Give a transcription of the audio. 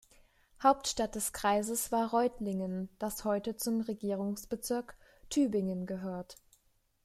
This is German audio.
Hauptstadt des Kreises war Reutlingen, das heute zum Regierungsbezirk Tübingen gehört.